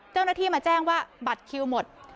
เจ้าหน้าที่มาแจ้งว่าบัตรคิวหมด